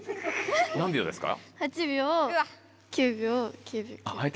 何秒ですか？